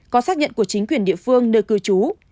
có xác nhận của chính quyền địa phương nơi cư trú